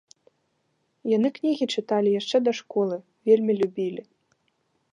Яны кнігі чыталі яшчэ да школы, вельмі любілі.